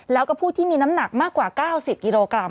แล้วก็ผู้ที่มีน้ำหนักมากกว่า๙๐กิโลกรัม